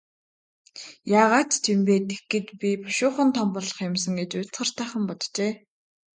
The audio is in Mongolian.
Яагаад ч юм бэ, тэгэхэд би бушуухан том болох юм сан гэж уйтгартайхан боджээ.